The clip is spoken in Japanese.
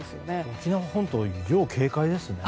沖縄本島、要警戒ですね。